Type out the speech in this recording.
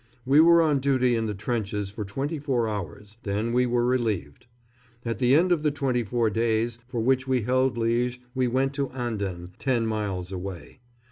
We were on duty in the trenches for twenty four hours, then we were relieved. At the end of the twenty four days for which we held Liège we went to Anden, ten miles away.